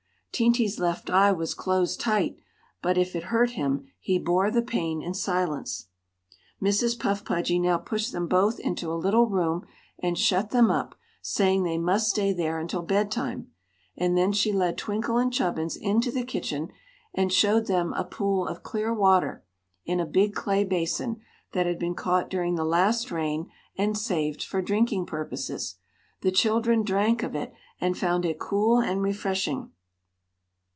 Teenty's left eye was closed tight, but if it hurt him he bore the pain in silence. Mrs. Puff Pudgy now pushed them both into a little room and shut them up, saying they must stay there until bedtime; and then she led Twinkle and Chubbins into the kitchen and showed them a pool of clear water, in a big clay basin, that had been caught during the last rain and saved for drinking purposes. The children drank of it, and found it cool and refreshing.